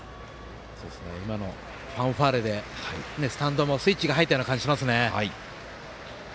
今のファンファーレでスタンドもスイッチが入ったような感じがしますね。